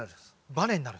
バネになる。